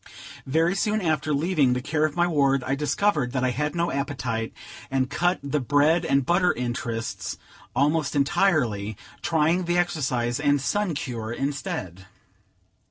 Very soon after leaving the care of my ward, I discovered that I had no appetite, and cut the bread and butter interests almost entirely, trying the exercise and sun cure instead.